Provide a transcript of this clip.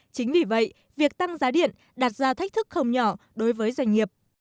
chính vì vậy việc tăng giá điện đặt ra thách thức không nhỏ đối với doanh nghiệp